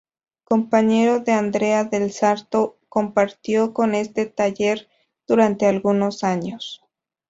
Compañero de Andrea del Sarto, compartió con este taller durante algunos años.